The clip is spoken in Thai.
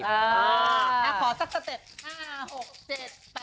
เออขอสักสเต็ป